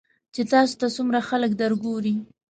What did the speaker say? چې تاسو ته څومره خلک درګوري .